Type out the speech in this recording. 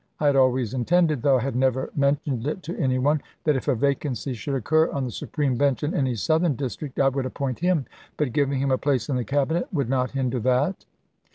I had always intended, though I had never mentioned it to any one, that if a vacancy should occur on the Supreme bench in any Southern district I would appoint him; but giving him a place in the Cabinet iwcl would not hinder that."